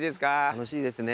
楽しいですね。